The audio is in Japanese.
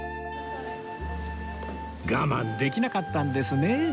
我慢できなかったんですね